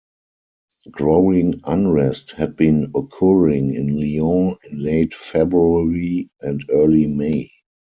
Growing unrest had been occurring in Lyon in late February and early May.